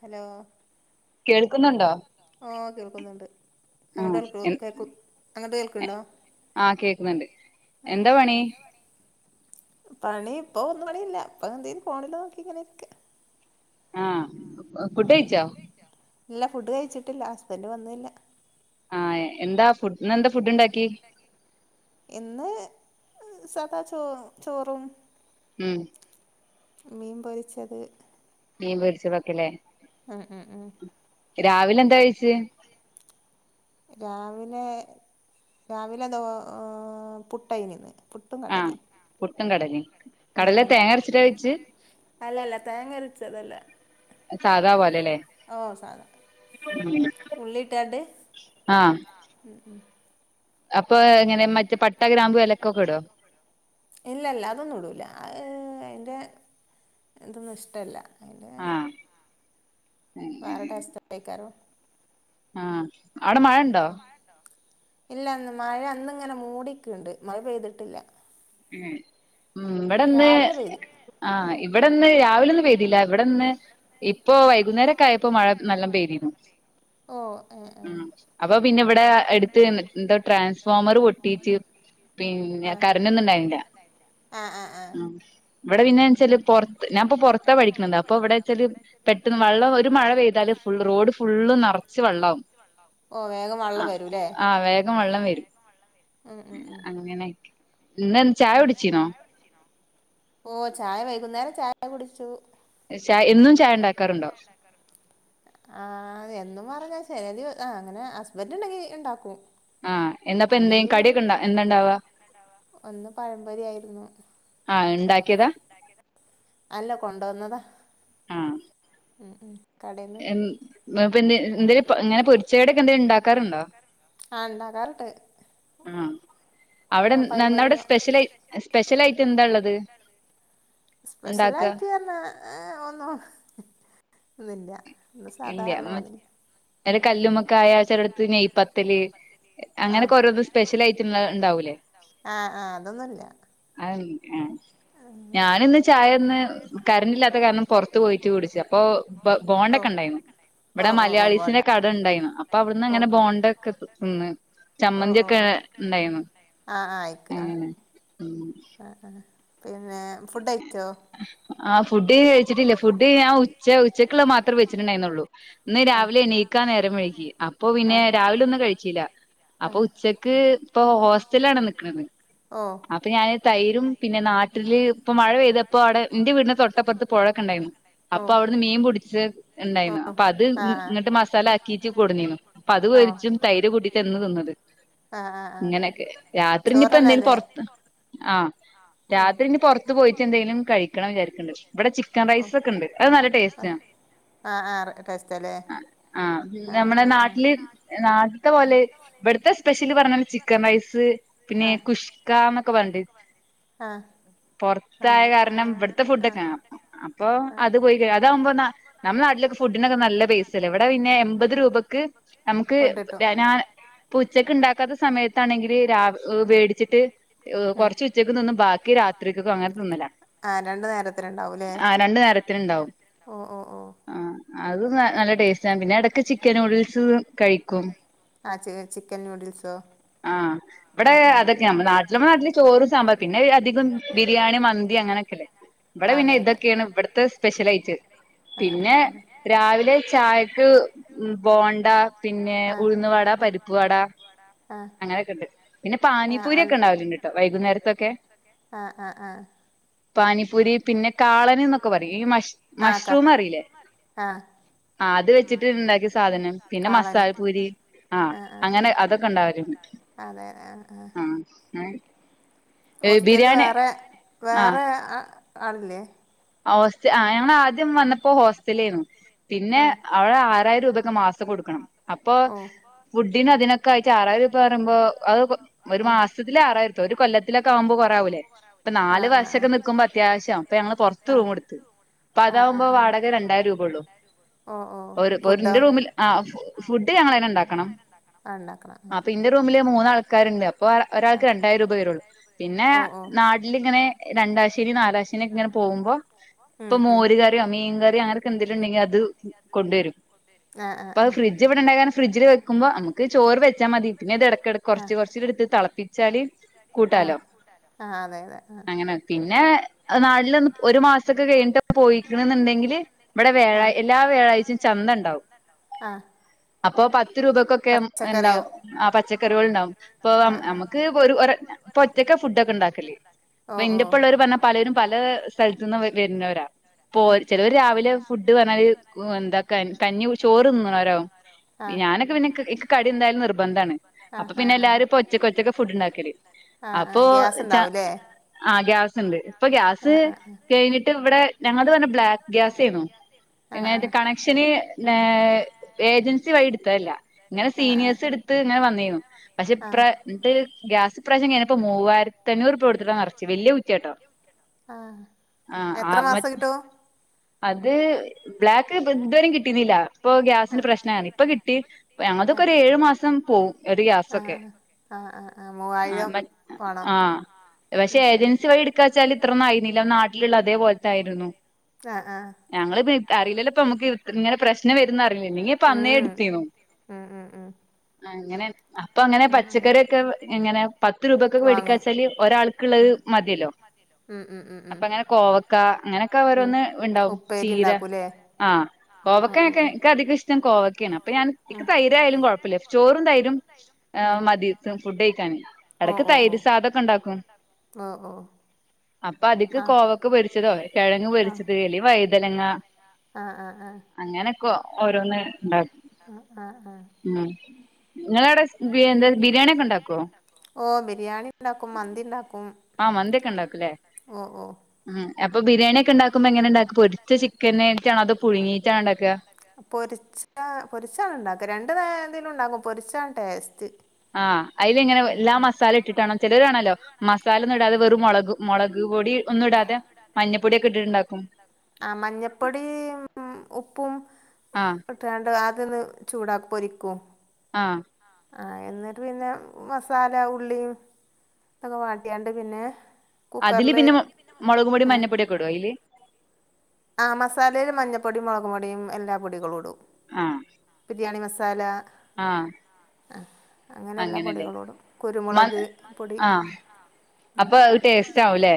Hello കേൾക്കുന്നുണ്ടോ? ആഹ് കേൾക്കുന്നുണ്ട്. അങ്ങട്ടാര്ക്ക് കേക്കും അങ്ങട്ട് കേൾക്ണ്ടോ? എന്താ പണി? പണി ഇപ്പ ഒന്നും പണിയില്ല. ഇപ്പൊ എന്തേലും ഫോണിലോക്കി ഇങ്ങനെ ഇര്ക്ക. ആഹ് ഫുഡഴിച്ചോ? ഇല്ല ഫുഡ് കഴിച്ചിട്ടില്ല ഹസ്ബൻ്റ് വന്നില്ല. ആഹ് എന്താ ഫുഡ്, ഇന്നെന്താ ഫുഡ് ണ്ടാക്കി? ഇന്ന് സാധാ ചോ ചോറും. ഉം മീൻ പൊരിച്ചത്. മീൻ പൊരിച്ചത് ഒക്കെല്ലേ, രാവിലെ എന്താ കഴിച്ചേ? രാവിലെ രാവിലെ എന്തുവാ ഏഹ് പുട്ട് ആയിരുന്നു പുട്ട്. പുട്ടും കടലയും പുട്ടും കടലയും ഉം ഉം കടല തേങ്ങ അരച്ച് വെച്ചേ, അല്ലല്ല തേങ്ങ അരച്ചത് അല്ല. സാധാ പോലല്ലേ ഉം. ഉള്ളി ഇട്ടോണ്ട് ആഹ് ഉം ഉം. അപ്പൊ ഇങ്ങനെ മറ്റേ പട്ട, ഗ്രാമ്പു, ഏലക്ക ഒക്കെ ഇടുവോ? ഇല്ല ഇല്ല അതൊന്നും ഇടൂല അതിന്റെ ഇതൊന്നും ഇഷ്ടം അല്ല. അയില് [unintelligible] ആഹ് അവിടെ മഴയുണ്ടോ, ഇല്ല ഇന്ന് മഴ അന്നിങ്ങനെ മൂടി നിക്കുണ്ട് മഴ പെയ്തിട്ടില്ല. ഉം ഉം ഇവിടെ ഇന്ന് ആഹ് ഇവിടെ. ഇവിടെ ഇന്ന് രാവിലൊന്നും പെയ്തില്ല, എവിടെ ഇന്ന്. ഇപ്പൊ വൈകുന്നേരൊക്കെ ആയിപ്പോ മഴ നല്ല പെയ്തിന്നു. ഉം അപ്പൊ പിന്നെ ഇവിടെ എടുത്ത് എന്താ ട്രാൻസ്ഫോമർ പൊട്ടീട്ട്. പിന്നെ കറന്റ്‌ ഒന്നും ഉണ്ടായിരുന്നില്ല, ഉം ഇവിടെ പിന്നെ. ച്ച് പൊറത്ത് ഞാനപ്പൊ പൊറത്ത് പഠിക്കുന്നത്, അപ്പൊ ഇവിടെ വെച്ചാല് പെട്ടെന്ന് വെളളം ഒരു മഴ പെയ്താൽ ഫുൾ റോഡ്. ഫുള്ള് നിറച്ച് വെള്ളയാവും ആഹ് ആഹ് വേഗം വെള്ളം വരും. അങ്ങനെ ആഹ് ചായ കുടിച്ചേനോ, ഓഹ് ചായ വൈകുന്നേരം ചായ കുടിച്ചു. ചായ എന്നും ചായ ഉണ്ടാക്കാറുണ്ടോ? ആഹ് എന്നും പറഞ്ഞാൽ ചരിവ് അങ്ങനെ ഹുസ്ബൻഡ് ഉണ്ടെങ്കിൽ ഇണ്ടാക്കും. ആഹ് എന്നാപ്പിന്നെ എന്താ കടിയൊക്കെ ഇണ്ട എന്തായുണ്ടവാ? ഒന്ന് പഴംപൊരി ആയിരുന്നു, ആഹ് ഇണ്ടാക്കിയത്. അല്ല കൊണ്ടുവന്നതാ. ആഹ് ഉം ഉം കടയെന്ന്. എന്നാപ്പിന്നെ എന്തോര് പ ഇങ്ങനെ പൊരിച്ചത് ഒക്കെ എന്തിയേ ഉണ്ടാക്കാറുണ്ടോ? ആഹ് അവിടെ ഇന്ന് അവിടെ സ്പെഷ്യൽ സ്പെഷ്യൽയിട്ട് എന്തായുള്ളത്. സ്പെഷ്യലായിട്ട് പറഞ്ഞാൽ ഏഹ് ഒന്നും ഒന്നില്ല. സാധാരണ മാതിരി. കല്ലുമ്മക്കായ ചിലയിടത്ത് നെയ്യ് പത്തല്. അങ്ങനെയൊക്കെ ഓരോന്നും സ്പെഷ്യൽ ഐറ്റം ഉണ്ടാവൂലേ. ആഹ് ആഹ് അതൊന്നുമില്ല. അത് എന്താ ഞാൻ ഇന്ന് ചായ ഒന്ന് കറന്റ്‌ ഇല്ലാത്ത കാരണം പൊറത്ത് പോയിട്ട് കുടിച്ചു, അപ്പൊ. ബോണ്ട് ഒക്കെ ഉണ്ടായിരുന്നു, ഇവിടെ മലയാളീസിന്റെ കട ഉണ്ടായിരുന്നു, അപ്പൊ അവിടുന്ന് ഇങ്ങനെ ബോണ്ട്. ഒക്കെ തിന്നു ചമ്മന്തി ഒക്കെ ഇണ്ടായിരുന്നു അങ്ങനെ. ഉം ആഹ് ആഹ് പിന്നെ ഫുഡ് കഴിച്ചോ? ആ ഫുഡ് കഴിച്ചിട്ടില്ല ഫുഡ് ഞാൻ ഉച്ച ഉച്ചക്കുള്ള മാത്രം വെച്ചിട്ടുണ്ടായിരുന്നുള്ളു. ഇന്ന് രാവിലെ എണീക്കാ നേരം വൈകി അപ്പൊ പിന്നെ രാവില ഒന്നും കഴിച്ചീല്ല. അപ്പൊ ഉച്ചക്ക് ഇപ്പൊ ഹോസ്റ്റലാണ് നിക്കണത് അപ്പൊ ഞാൻ- തൈരും പിന്നെ നാട്ടില് ഇപ്പ മഴ പെയ്ത- അപ്പൊ അവിടെ എന്റെ വീടിന് തൊട്ടപ്പുറത്ത് പുഴക്കെഉണ്ടായിരുന്നു അപ്പൊ അവിടുന്ന് മീൻ പുടിച്ച് ഉണ്ടായിരുന്നു അപ്പൊ അത് മസാലക്കിട്ട് കൊട് നിരുന്നു അതു പോരിച്ചും- തൈര് കൂട്ടിട്ടാ ഇന്ന് തിന്നത് ഇങ്ങനെയൊക്കെ രാത്രി ഇനിപ്പ എന്തെിലും പുറത്ത്- ആഹ് ആഹ് രാത്രിന് പൊറത്ത് പോയിട്ടെന്തേനു- വിചാരിക്കണ്ട് ഇവിടെ ചിക്കൻ റൈസ് ഒക്കെ ഉണ്ട് അത് നല്ല ടേസ്റ്റ് ആണ് - [unintelligible] ആഹ് നമ്മുടെ നാട്ടില് നാട്ടത്തെ പോലെ- ഇവിടുത്തെ സ്പെഷ്യലി പറഞ്ഞല് ചിക്കൻ റൈസ് പിന്നെ കുഷ്കാന്നൊക്കെ പറഞ്ഞണ്ട് ആഹ് പൊറത്തായ കാരണം ഇവിട്ത്തെ ഫുഡ്ക്കൊ കാ അപ്പൊ അത് പൊയി അതകുമ്പോ നമ്മൾ നാട്ടിലൊക്കെ ഫുഡിനൊക്കെ നല്ല പൈസല്ലേ ഇവിടെ പിന്നെ എൺപത് രൂപക്ക് നമുക്ക് ബനാന - ഇപ്പം ഉച്ചക്ക് ഉണ്ടാക്കാത്ത സമയത്താണെങ്കില് രാ വേടിച്ചിട്ട് കൊറച്ച്- ഉച്ചക്കക്ക് തിന്നും ബാക്കി രാത്രിക്കൊക്കും അങ്ങനെ തിന്നല ആഹ് രണ്ടു നേരത്തിനുണ്ടാവുംല്ലേ ഓഹ് ഓഹ് ഓഹ് - ആഹ് ആഹ് - ആഹ് ചിക്കൻ നൂഡിൽസ് - [unintelligible] ആഹ് ഇവിടെ അതൊക്കെ നമ്മൾ നാട്ടില നമ്മ നാട്ടില് ചോറും സാമ്പാറും പിന്നെ അധികം ബിരിയാണി മന്തി അങ്ങനെ ഇവിടെ പിന്നെ ഇതൊക്കെയാണ് ഇവിടത്തെ സ്പെഷ്യൽ ആയിറ്റ് പിന്നെ രാവിലെ ചായക്ക് ബോണ്ട പിന്നെ ഉഴ്ന്ന് വട പരി പ്പുവട അങ്ങനെക്കെഇണ്ട് പിന്നെ പാനിപൂരി ഒക്കെ ഇണ്ടാവലിണ്ട്ട്ടോ വൈകുന്നേരത്തൊക്കെ ആഹ് ആഹ് ആഹ് പാനിപ്പൂരി പിന്നെ കാളന് ന്നൊക്കെ പറയും ഈ മഷ് മഷ്റൂം അറിയില്ലേ? ആ അത് വെച്ചിട്ട് ഇണ്ടാക്കിയ സാധനം പിന്നെ മസാലപ്പൂരി ആ അങ്ങനെ അതൊക്കെ ഇണ്ടാവല്ണ്ട് ആ അങ്ങനെ ഹോസ്റ്റലില് വേറെ വേറെ ആളില്ലേ? ആഹ് ഹോസ്റ്റ ആ ഞങ്ങൾ ആദ്യം വന്നപ്പോ ഹോസ്റ്റലോനു പിന്നെ അവടെ ആറായിരം രൂപൊക്കെ മാസം കൊടുക്കണം അപ്പൊ ഫുഡ് പിന്നെ അതിനോക്കെ ആയിറ്റ് ആറായിരംരൂപ പറയുമ്പോ അത് ഒരു മാസത്തില ആറായിരം രൂപ ഒരു കൊല്ലത്തിലൊക്കെ ആവുമ്പോ കേറെവൂലേ ഇപ്പ നാല് വർഷൊക്കെ നിക്കുമ്പോ അത്യാവശ്യം അപ്പ ഞങ്ങള് പോർത്ത് ത്ത് റൂമെടുത്തു അപ്പൊ അതവുമ്പോ വാടക രണ്ടായിരം രൂപയഉള്ളൂ ഒരുന്റെ റൂമിൽ ആഹ് ഫുഡ് ഞങ്ങളെന്നെ ഇണ്ടാക്കണം ആഹ് ഇണ്ടാക്കണം അപ്പൊ ഇന്റെ റൂമില് മൂന്നാൾക്കാര്ണ്ട് അപ്പെ ഒരാൾക്ക് രണ്ടായിം രൂപ വരുള്ളൂ പിന്നെ നാട്ടിലിങ്ങനെ രണ്ടാശനി നാലാശനി ഒക്കെ ഇങ്ങനെ പോകുമ്പോ ഇപ്പൊ മോരുകറിയോ മീൻ കറിയോ അങ്ങനെയൊക്കെ എന്തിട്ടുണ്ടെങ്കിൽ അത് കൊണ്ടുവരും അപ്പൊത് ഫ്രീ- ഡ്ജ് ഇവിടെ ഉണ്ടായ ഫ്രിഡ്ജില് വെക്കും- ക്ക്പോ നമുക്ക് ചോറ് വെച്ചാ മതി പിന്നെ ഇത് ഇടക്കട കുറച്ച് കുറച്ചടുത്ത് തിളപ്പിച്ചാല് കൂട്ടാലോ ആഹ് അതെ അതെ ആഹ് പിന്നെ നാട്ടിൽന്ന് ഒരു മാസ് കെ കഴിഞ്ഞിട്ട് പോയിക്കണന്നുണ്ടെങ്കില് ഇവിടെ വ്യാഴ് എല്ലാ വ്യാഴ്ചയും ചന്തണ്ടാവും ആഹ് അപ്പൊ പത്ത് രൂപക്കൊക്കെ ണ്ടാവും ആഹ് പച്ചക്കറികൾ ണ്ടാവും അപ്പൊ നമുക്ക് ഒ ഒര് പ്പ ഒറ്റക് ഫുഡ്ക്കെ ണ്ടാക്കല് ഇന്റെപ്പ ഉള്ളവര് പറഞ്ഞ പലരും പലെ സ്ഥല വെ വെര്ന്നോരാ പ്പോര് ചെലോര് രാവിലെ ഫുഡ് പറഞ്ഞാല് എന്താ ക കഞ്ഞി ചോറ്ന്ന്ണോരോവും. ഞാനൊക്കെ പിന്നെ ക് കടി എന്തായാലും നിർബന്ധാണ്. അപ്പൊ പിന്നെ എല്ലാരും ഇപ്പൊ ഒറ്റക്ക് ഒറ്റക്ക ഫുഡ്ണ്ടാക്കല് അപ്പൊ ച ആഹ് ഗ്യാസ്ണ്ട് പ്പൊ ഗ്യാസ് കഴിഞ്ഞിട്ട് ഇവിടെ ഞങ്ങത് പറഞ്ഞ ബ്ലാക്ക് ഗ്യാസ് ഏന്നു ഇങ്ങട്ട് കണ ക്ഷന് നേ ഏജൻ സി വഴി എടുത്തല്ല ഇങ്ങനെ സീനിയേഴസ് എടുത്ത് ങ്ങനെ വന്നേനു പക്ഷെ ഇപ്ര എന്നിട്ട് ഗ്യാസ് പ്രാവശ്യം കൈഞപ്പോ മൂവായിര്ത്തഞ്ഞൂറ് ർപ്യ കൊട്ട്ത്ട്ടാ നറച്ച് വല്യേ കുറ്റിയാ ട്ടോ ആഹ് ആഹ് ആഹ് മറ്റ് അത് ബ്ലാക്ക് ഇതുവരു കിട്ടിന്നില്ല ഇപ്പൊ ഗ്യാസിന്റെ പ്രശ്നാണ് ഇപ്പൊ കിട്ടി പ്പൊ ഞങ്ങതൊക്കെ ഒരു ഏഴു മാസം പോവും ഒരു ഗ്യാസൊക്കെ ആഹ് ഹ് ആ മൂവായിരം ആഹ് പക്ഷെ ഏജൻസി വഴി എടുക്കച്ചാല് ഇത്രന്നായി നീല്ല നാട്ടിലുള്ള അതേപോലത്ത ആയിരുന്നു [unintelligible] ആഹ് ഞങ്ങള് പി അറിയില്ലല്ലോ പ്പമുക്ക് ഇ ഇങ്ങനെ പ്രശ്നം വരുന്നറിയില്ലേഞ് ങ്പ്പ അന്നേ എടുത്തീന്നു അങ്ങനെ അപ്പങ്ങനെ പച്ചക്കറിക്കെ എങ്ങനെ പത്ത് രൂപക്കൊക്കെ വേടിക്കാച്ചാല് ഒരാൾക്ള്ളത് മതില്ലോ ഉം അപ്പങ്ങനെ കോവക്ക ങ്ങനെക്കെ ഓരോന്ന്ണ്ടാവും ചീര ആഹ് കോവക്കക്കെ ക്ക അധികം ഇഷ്ടം കോവക്കാണ് അപ്പൊഞൻ ഇക്ക് തൈ രായാലും കുഴപ്പല്ല ചോറുംതൈരും ഏഹ് മതി ഫുഡ് കഴിക്കാന് എടക്ക് തൈര് സാധൊക്കെണ്ടാക്കും അപ്പ അതിക്ക് കോവക്ക് പൊരിച്ചതോ കിഴങ്ങ് പൊരി ച്ചത് എല്ലേ വൈതനങ്ങ അങ്ങനെക്കെ ഓരോന്ന് ണ്ടാക്കും ഉം ങ്ങളടെ ബിയെന്താ ബിരിയാണിക്കെണ്ടാക്കോ ഓഹ് ബിരിയാണിണ്ടാക്കും മന്തിണ്ടാക്കും ഓഹ് ഓഹ് ഉം അപ്പ ബിരിയാണിക്കെണ്ടാക്കുമ്പോ എങ്ങനെണ്ടാക്കും പൊരിച്ച ചിക്കൻട്ടാണോ അത് പുഴുങ്ങിയിട്ടാണ് ണ്ടാക്ക പൊരിച്ച പൊരിച്ചാണ് ണ്ടാക്ക രണ്ട്തേ എന്തേലും ഉണ്ടാക്കും പൊരിച്ചാണ് ടേസ്റ്റ് ആഹ് അയ്ല് ഇങ്ങനെ എല്ലാ മസാല ഇട്ടിട്ടാണോ ചെലരാണല്ലോ മസാലന്നും ഇടാതെ വെറും മുളക് മുളക് പൊടി ഒന്നും ഇടാതെ മഞ്ഞ ആഹ് മഞ്ഞപ്പൊടി ഉപ്പും ട്ടാണ്ട് ആദ്യൊന്ന് ചൂടാക് പൊരിക്കും ആഹ് ആഹ് എന്നട്ട് പിന്നെ മസാല ഉള്ളിയും അത് വാട്ട്യാണ്ട് പിന്നെ. അതില് പിന്നെ മുളകും പൊടി മഞ്ഞപ്പൊയൊക്കെ ഇടോ അയില് ആഹ് മസാലേൽ മഞ്ഞപ്പൊടിയും മുളക് പൊടിയും എല്ലാ പൊടികളും ഇടും ആഹ് ബിരിയാണി മസാല ആഹ് ആഹ് അങ്ങനെ എല്ലാ പൊടികളും ഇടും കുരുമുളക് പൊടി അപ്പൊ ടേസ്റ്റ് ആവുംല്ലേ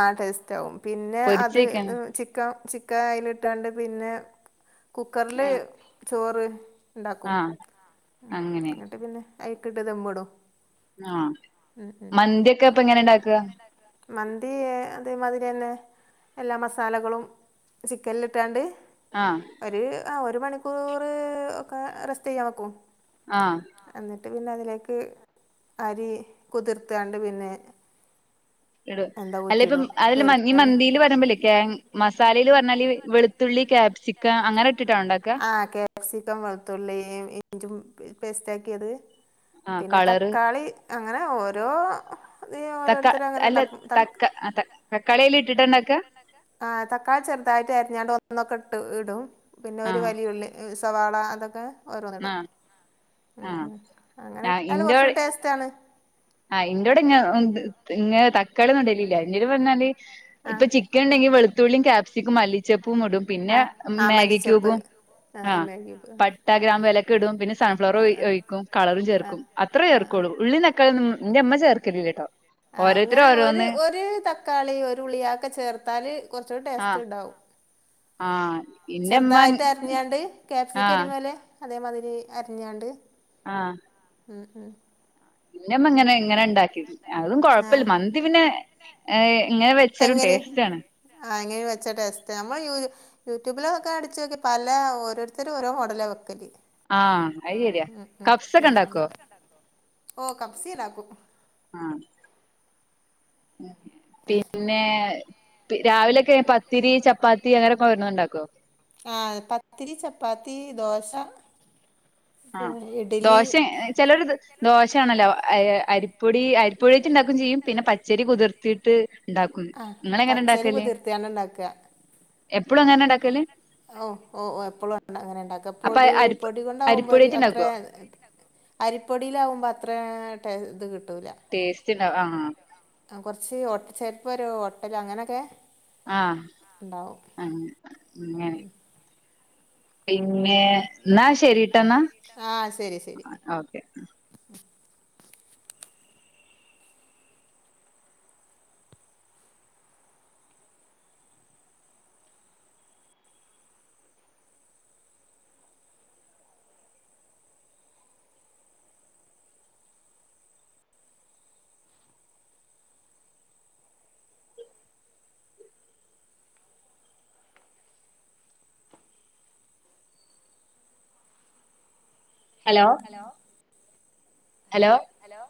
ആഹ് ടേസ്റ്റ് ആവും പിന്നെ അത് ചിക്ക ചിക്കൻ അയിൽ ഇട്ടാണ്ട് പിന്നെ കുക്കർല് ചോറ് ണ്ടാക്കും ഉം എന്നട്ട് പിന്നെ അയ്ക്കിട്ട് ദെമ്മ്ടും ആഹ് മന്തിയൊക്കെ ഇപ്പൊ എങ്ങനെ ഉണ്ടാക്ക മന്തി അതേമാതിരി തന്നെ എല്ലാ മസാലകളും ചിക്കൻൽ ഇട്ടാണ്ട് ആഹ് ഒരു ആഹ് ഒരു മണിക്കൂർ ഒക്കെ റെസ്റ്റ് ചെയ്യാൻ വക്കും ആഹ് എന്നിട്ട് പിന്നെ അതിലേക്ക് അരി കുതിർത്താണ്ട് പിന്നെ എടും അല്ല ഇപ്പം അതല്ല ഈ മന്തിയിൽ വരുമ്പോല്ലേ കെ മസാലേൽ പറഞ്ഞാല് വെളുത്തുള്ളി ക്യാപ്സിക്ക അങ്ങനെ ഇട്ടിട്ടാ ഉണ്ടാക്കാ കഫ്സിക്കൻ വെളുത്തുള്ളി ഇഞ്ചും പേസ്റ്റ് ആക്കിയത് പിന്നെ തക്കാളി അങ്ങനെ ഓരോ തക്കാ അല്ല തക്ക തക്കാളി അയ്ൽ ഇട്ടിട്ടാണ്ടിക്കാ ആഹ് തക്കളിക്കുന്നുണ്ടാവും ചെറുതായിട്ട് അരിഞ്ഞാണ്ട് ഒന്നൊക്കെ ഇട്ട് ഇടും പിന്നെ ഒരു വലിയുള്ളി അഹ് സവാള അതൊക്കെ ഓരോന്നിടും ഉം ഉം അങ്ങനെ ഇട്ടും കുറച്ച കൂടി ടേസ്റ്റ് ആണ് ആഹ് ഇൻ്റോടെ ഇങ്ങ ഇ തക്കാളിന്നും ഇടല്ല്ല എന്റ പറഞ്ഞാല് ഇപ്പൊ ചിക്കൻ ഉണ്ടെങ്കി വെളുത്തുള്ളിയും ക്യാപ്സിക്കും മല്ലിച്ചപ്പൂം ഇടും പിന്നെ മാഗി ക്യൂബും ആഹ് പട്ട ഗ്രാമ്പ് ഏലക്ക ഇടും പിന്നെ സൺഫ്ലവർ ഒഴിക്കും കളറും ചേർക്കും ത്രേ ചേർക്കോള്ളൂ ഉള്ളിൽ തക്കാള്യൊന്നും ന്റെമ്മ ചേർക്കൽല്ല കേട്ടോ ഓരോരുത്തും ഓരോന്ന് ഒരു തക്കാളി ഒരു ഉള്ളി ഒക്കെ ചേർത്താല് കുറച്ചൂടെ ടേസ്റ്റ് ഉണ്ടാവും ചെറുതായിട്ട് അര്ഞ്ഞാണ്ട് കാപ്സിക്കം അരിമ്പോലെ അതേമാതിരി അരിഞ്ഞാണ്ട് ആഹ് ഉം ഉം പിന്നമ്മ ഇങ്ങനെ ഇങ്ങനെ ഉണ്ടാക്കി അതും കൊഴപ്പല്ല മന്തി പിന്നെ ഇങ്ങനെ വെച്ചാലും ടേസ്റ്റ് ആണ് ആഹ് എങ്ങനെ വെച്ചാലും ടെസ്റ്റ് നമ്മൾ യൂ യൂട്യൂബിലൊക്കെ അടിച്ചോക്കി പല ഓരോരുത്തരും ഓരോ മോടലാ വെക്കല് ആഹ് ഐശരിയാ കപ്സ ഒക്കെ ഉണ്ടാക്കോ ണ്ട ഓഹ് കബ്സിം ണ്ടാക്കും ആഹ് പിന്നെ രാവിലെ ക്കെ പത്തിരി ചപ്പാത്തി അങ്ങനെയൊക്കെ വരുന്നുണ്ടാക്കോ ആഹ് പത്തിരി ചപ്പാത്തി ദോശ ആഹ് ദോശ ചിലർ ദോശയാണല്ലോ അരിപ്പൊടി അരി ഇപ്പോഴേട്ട ഉണ്ടാക്കും ചെയ്യും പിന്നെ പച്ചരി കുതിർത്തിട്ട് ഉണ്ടാക്കും ഇങ്ങള്ങ്ങനെ അങ്ങനെണ്ടും അരി കുതിർത്തി കാണ്ട ണ്ടാക്ക എപ്പളും അങ്ങനെന്നെ ണ്ടാക്ക ഓ ഓ ഓ എപ്പളും അങ്ങനെണ്ടക്ക പൊടി പൊടി കൊണ്ട് ഓ വരും അത്ര അരിപ്പൊടിയിലകുമ്പോ അത്ര ഇത് കിട്ടൂല ടേസ്റ്റ് ണ്ടാ ആആ ആ കൊറച്ച് ഒ ചെലപ്പം ഒരു ഒട്ടലോ അങ്ങനെയൊക്കെ ആ അങ്ങനെ പിന്നെ ന്നാ ശരിട്ട ന്നാ okay hello hello hello hello